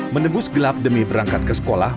menembus gelap demi berangkat ke sekolah